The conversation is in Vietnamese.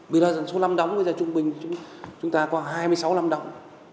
bây giờ số lâm đóng bây giờ trung bình chúng ta có hai mươi sáu lâm đóng